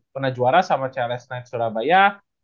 pernah juara sama celes natsurabaya